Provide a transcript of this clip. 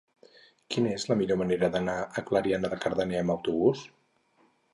Quina és la millor manera d'anar a Clariana de Cardener amb autobús?